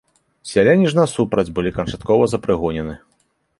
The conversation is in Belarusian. Сяляне ж, насупраць, былі канчаткова запрыгонены.